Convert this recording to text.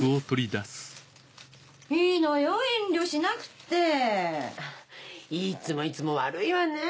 いいのよ遠慮しなくて。いつもいつも悪いわね。